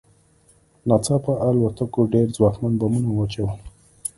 ناڅاپه الوتکو ډېر ځواکمن بمونه واچول